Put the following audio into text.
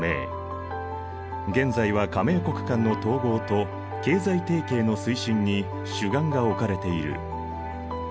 現在は加盟国間の統合と経済提携の推進に主眼が置かれている。